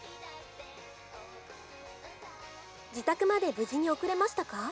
「自宅まで無事に送れましたか？」。